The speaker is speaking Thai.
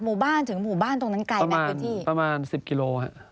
หมู่บ้านถึงหมู่บ้านตรงนั้นไกลไหมพื้นที่ประมาณสิบกิโลฮะ